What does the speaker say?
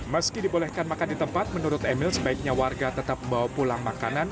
meski dibolehkan makan di tempat menurut emil sebaiknya warga tetap membawa pulang makanan